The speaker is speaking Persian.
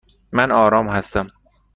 من آرام هستم.